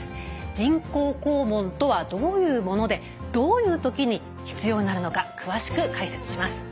人工肛門とはどういうものでどういう時に必要になるのか詳しく解説します。